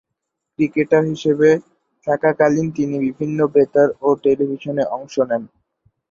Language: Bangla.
ক্রিকেটার হিসেবে থাকাকালীন তিনি বিভিন্ন বেতার ও টেলিভিশনে অংশ নেন।